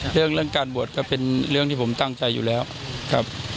เรื่องการบวชก็เป็นเรื่องที่ผมตั้งใจอยู่แล้วครับ